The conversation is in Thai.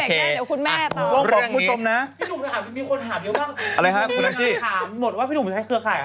เออหนูอยากรู้ด้วยนะ